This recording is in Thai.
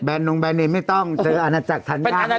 แบรนด์นงแบรนด์นี้ไม่ต้องเจออาณาจักรธัญญา